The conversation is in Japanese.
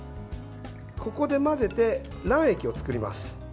ここで混ぜて卵液を作ります。